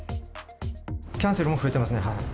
キャンセルも増えてますね。